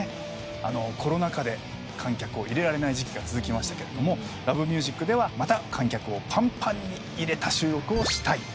コロナ禍で観客を入れられない時期が続きましたけども『Ｌｏｖｅｍｕｓｉｃ』ではまた観客をぱんぱんに入れた収録をしたい。